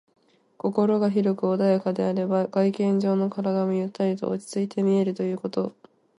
心が広く穏やかであれば、外見上の体もゆったりと落ち着いて見えるということ。